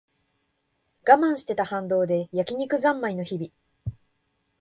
我慢してた反動で焼き肉ざんまいの日々